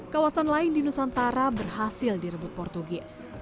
kawasan lain di nusantara berhasil direbut portugis